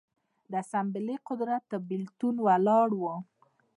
د اسامبلې قدرت پر بېلتون ولاړ و